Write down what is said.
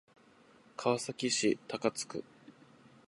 川崎市高津区